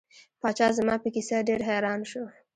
پاچا زما په کیسه ډیر حیران شو.